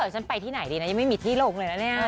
ฉันไปที่ไหนดีเหมือนไม่มีที่หลงเลยแล้วเนี่ย